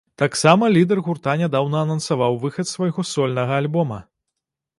Таксама лідар гурта нядаўна анансаваў выхад свайго сольнага альбома.